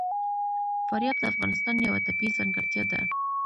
فاریاب د افغانستان یوه طبیعي ځانګړتیا ده.